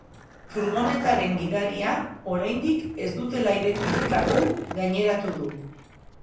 Furgonetaren gidaria oraindik ez dutela identifikatu gaineratu du.